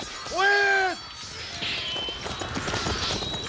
うわ！